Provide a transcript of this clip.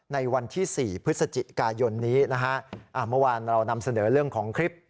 ในวันที่๔พฤศจิกายนนี้นะฮะเมื่อวานเรานำเสนอเรื่องของคลิป